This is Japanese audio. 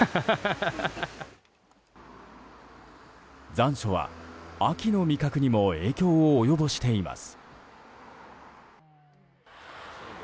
残暑は秋の味覚にも影響を及ぼしています。